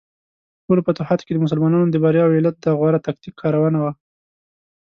ټولو فتوحاتو کې د مسلمانانو د بریاوو یو علت د غوره تکتیک کارونه وه.